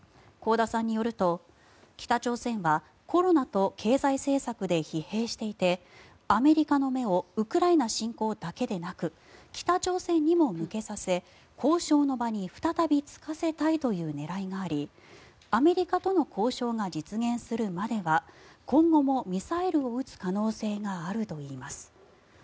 香田さんによると、北朝鮮はコロナと経済政策で疲弊していてアメリカの目をウクライナ侵攻だけでなく北朝鮮にも向けさせ、交渉の場に再びつかせたいという狙いがありアメリカとの交渉が実現するまでは今後もミサイルを撃つ可能性があるといいます。